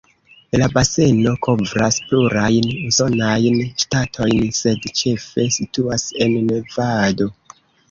La baseno kovras plurajn usonajn ŝtatojn, sed ĉefe situas en Nevado.